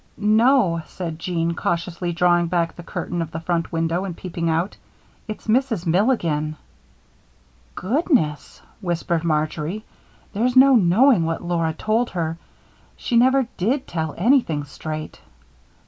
"No," said Jean, cautiously drawing back the curtain of the front window and peeping out. "It's Mrs. Milligan!" "Goodness!" whispered Marjory, "there's no knowing what Laura told her she never did tell anything straight."